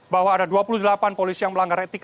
bahwa ada dua puluh delapan polisi yang melanggar etik